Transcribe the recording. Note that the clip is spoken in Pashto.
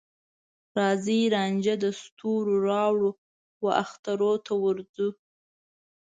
راځې رانجه د ستوروراوړو، واخترته ورځو